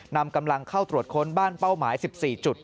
นำกำลังเข้าตรวจค้นบ้านเป้าหมาย๑๔จุด